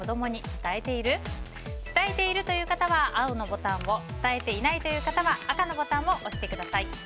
伝えているという方は青のボタンを伝えていないという方は赤のボタンを押してください。